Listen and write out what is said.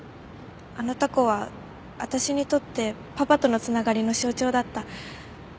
あのタコは私にとってパパとの繋がりの象徴だった。